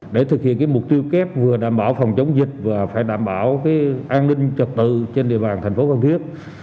để thực hiện mục tiêu kép vừa đảm bảo phòng chống dịch và phải đảm bảo an ninh trật tự trên địa mạng thành phố phan thiết